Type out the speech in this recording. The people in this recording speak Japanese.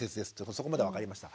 そこまでは分かりました。